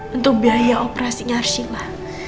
untuk biaya operasinya arsila